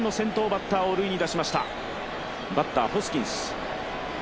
バッター、ホスキンス。